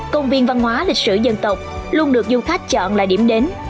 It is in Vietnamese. công viên văn hóa lịch sử dân tộc luôn được du khách chọn là điểm đến